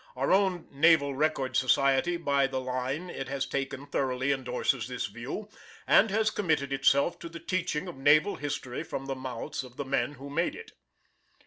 Our own Navy Record Society by the line it has taken thoroughly endorses this view, and has committed itself to the teaching of naval history from the mouths of the men who made it.